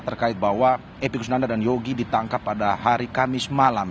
terkait bahwa epi kusnanda dan yogi ditangkap pada hari kamis malam